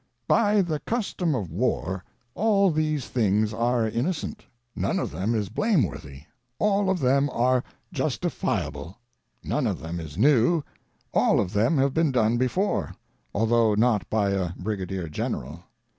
By the custom of war, all these things are innocent, none of them is blameworthy, all of them are justifiable ; none of them is new, all of them have been done before, although not by a Briga dier General.